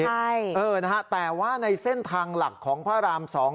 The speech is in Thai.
ใช่เออนะฮะแต่ว่าในเส้นทางหลักของพระรามสอง